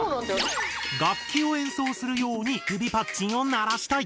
楽器を演奏するように指パッチンを鳴らしたい！